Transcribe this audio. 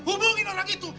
hubungi orang itu